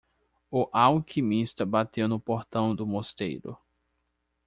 O alquimista bateu no portão do mosteiro.